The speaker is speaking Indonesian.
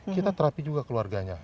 kita terapi juga keluarganya